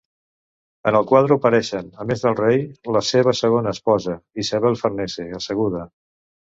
En el quadre apareixen, a més del rei, la seva segona esposa, Isabel Farnese, asseguda.